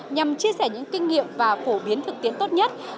nhằm chia sẻ những kinh nghiệm và phổ biến thực tiễn tốt nhất